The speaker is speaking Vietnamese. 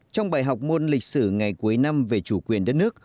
trong bài học môn lịch sử ngày cuối năm về chủ quyền đất nước